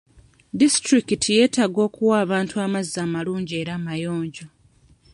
Disitulikiti yetaaga okuwa abantu amazzi amalungi era amayonjo.